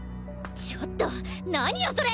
ちょっと何よそれ！